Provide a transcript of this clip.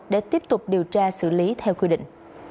để tiếp tục điều tra xử lý theo quy định